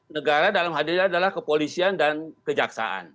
negara dalam hadirnya adalah kepolisian dan kejaksaan